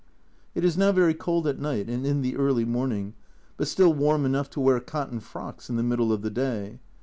It is now very cold at night and in the early morning, but still warm enough to wear cotton frocks in the middle of the day.